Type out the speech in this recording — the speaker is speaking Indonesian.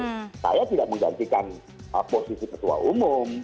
jadi saya tidak menggantikan posisi ketua umum